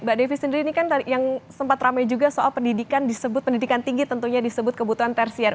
mbak devi sendiri ini kan yang sempat rame juga soal pendidikan disebut pendidikan tinggi tentunya disebut kebutuhan tersier